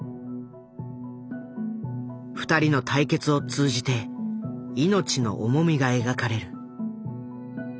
２人の対決を通じて命の重みが描かれる。